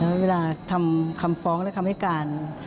แล้วเวลาทำคำฟ้องและคำให้การ